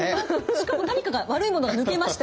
しかも何かが悪いものが抜けました